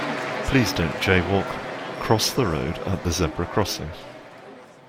Please don't jay-walk: cross the road at the zebra crossing